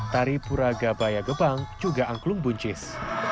tari pura gabaya gebang juga angklung buncis